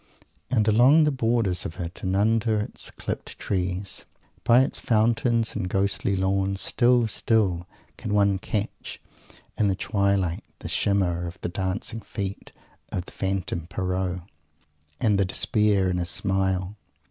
And along the borders of it and under its clipped trees, by its fountains and ghostly lawns, still, still can one catch in the twilight the shimmer of the dancing feet of the Phantom Pierrot, and the despair in his smile!